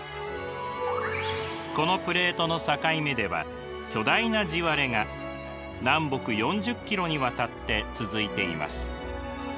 このプレートの境目では巨大な地割れが南北４０ｋｍにわたって続いています。